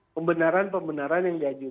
pembenaran pembenaran yang diajukan